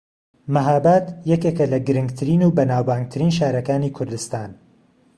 مەھاباد یەکێکە لە گرنگترین و بەناوبانگترین شارەکانی کوردستان